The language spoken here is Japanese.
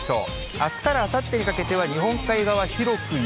あすからあさってにかけては日本海側、広く雪。